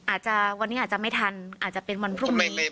อาจจะวันนี้อาจจะไม่ทันอาจจะเป็นวันพรุ่งนี้